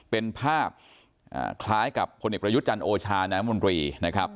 เป็นภาพคล้ายกับพลเอกประยุทธ์จันทร์โอชาน้ำมนตรีนะครับ